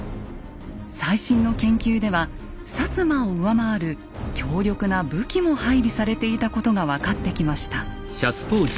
最新の研究では摩を上回る強力な武器も配備されていたことが分かってきました。